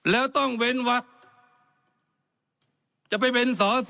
แล้วต้องเว่นวักจะไปเว่นสสต้องเว่นวัก๒ปี